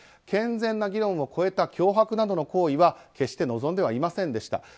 健全な議論を超えた脅迫などの行為は決して望んではいませんでした。